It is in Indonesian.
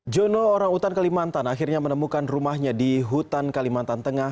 jono orangutan kalimantan akhirnya menemukan rumahnya di hutan kalimantan tengah